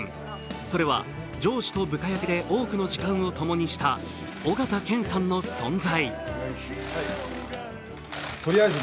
それは上司と部下役で多くの時間をともにした緒形さんの存在。